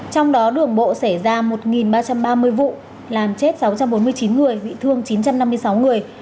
trong đó đường bộ xảy ra một ba trăm ba mươi vụ làm chết sáu trăm bốn mươi chín người bị thương chín trăm năm mươi sáu người